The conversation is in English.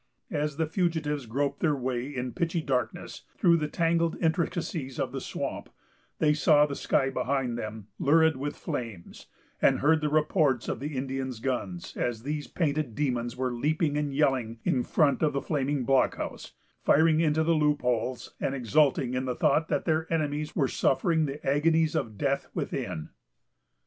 As the fugitives groped their way, in pitchy darkness, through the tangled intricacies of the swamp, they saw the sky behind them lurid with flames, and heard the reports of the Indians' guns, as these painted demons were leaping and yelling in front of the flaming blockhouse, firing into the loopholes, and exulting in the thought that their enemies were suffering the agonies of death within.